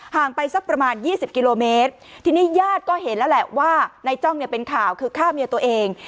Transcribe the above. ห่างไปสักประมาณยี่สิบกิโลเมตรทีนี้ญาติก็เห็นแล้วแหละว่านายจ้องเนี่ยเป็นข่าวคือฆ่าเมียตัวเอง